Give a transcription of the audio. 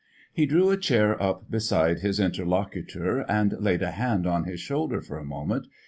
He drew a chair up beside his interlocutor and laid a hand on his shoulder for a moment.